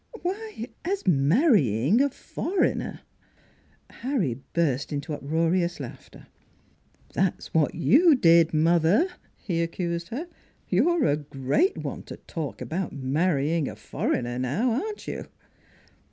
" Why, as marrying a foreigner." Harry burst into uproarious laughter. " That's what you did, mother," he accused her. " You're a great one to talk about marry ing a foreigner; now, aren't you?